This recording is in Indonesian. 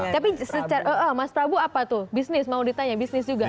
tapi secara mas prabu apa tuh bisnis mau ditanya bisnis juga gak mau